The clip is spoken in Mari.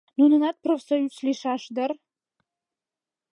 Нунынат профсоюз лийшаш дыр.